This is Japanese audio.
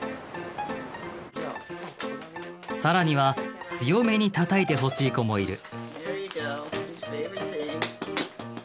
更には強めに叩いてほしい子もいる。